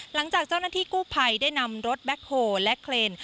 หลังจากเจ้าหน้าที่กู้ภัยได้นำรถแบ็คโฮและเคลน